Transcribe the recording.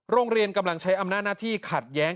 โรงเรียนกำลังใช้อำนาจหน้าที่ขัดแย้ง